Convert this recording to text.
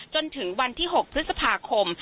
จนถึงวันที่๖พฤษภาคม